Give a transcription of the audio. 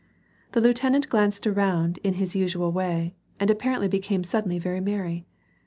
The lieutenant glanced around in his usual way, and apparently became suddenly very merry.